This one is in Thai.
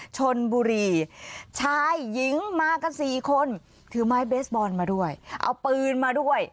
ชนบุรีชายหญิงมากันสี่คนถือไม้เบสบอลมาด้วยเอาปืนมาด้วย